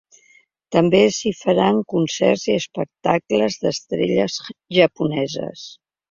També s’hi faran concerts i espectacles d’estrelles japoneses.